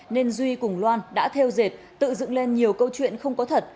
nên duy cùng loan đã theo dệt tự dựng lên nhiều câu chuyện không có thật